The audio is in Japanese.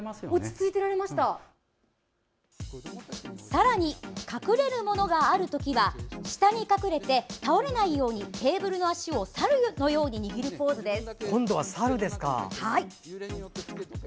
さらに、隠れるものがある時は、下に隠れて倒れないように、テーブルの脚をサルのように握るポーズです。